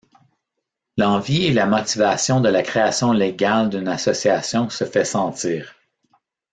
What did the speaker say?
L'envie et la motivation de la création légale d'une association se fait sentir.